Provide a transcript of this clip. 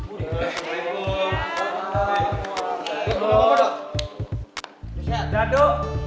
udah nolongin dadu